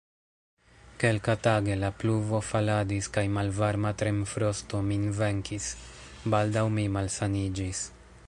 Kelkatage, la pluvo faladis kaj malvarma tremfrosto min venkis; baldaŭ mi malsaniĝis.